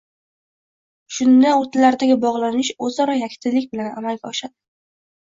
Shunda o‘rtalaridagi bog‘lanish o‘zaro yakdillik bilan amalga oshadi.